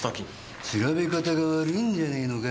調べ方が悪いんじゃねーのか？